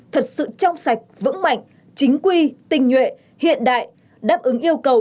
thật sự trong sạch vững mạnh chính quy tinh nhuệ hiện đại đáp ứng yêu cầu